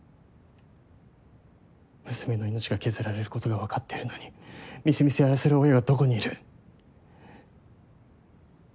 娘の命が削られることが分かってるのに見す見すやらせる親がどこにいる？